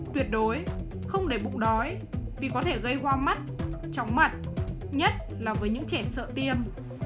tuyệt đối không để bụng đói vì có thể gây hoa mắt tróng mặt nhất là với những trẻ sợ tiêm